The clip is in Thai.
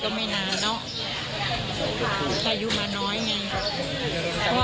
ใช่ว่าลูกรอว่าจะย้ายมาอยู่น้องทองค่ะแม่